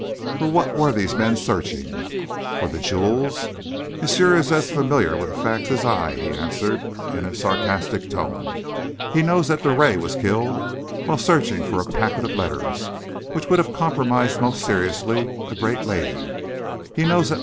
For what were these three men searching? For the jewels?" "Monsieur is as familiar with the facts as I," he answered, in a sarcastic tone. "He knows that Drouet was killed while searching for a packet of letters, which would have compromised most seriously a great lady; he knows that M.